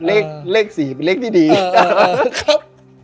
เลขเลขสี่เป็นเลขที่ดีอ่าครับ